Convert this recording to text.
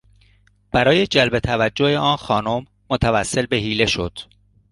برای جلب توجه آن خانم متوسل به حیله شد.